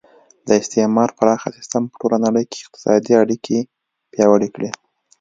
د استعمار پراخه سیسټم په ټوله نړۍ کې اقتصادي اړیکې پیاوړې کړې